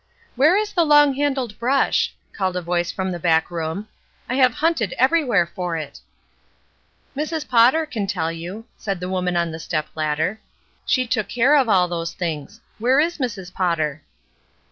"Where is the long handled brush?" called a voice from the back room. "I have hunted everywhere for it." "Mrs. Potter can tell you," said the woman on the step ladder. '^She took care of all those things. Where is Mrs. Potter?"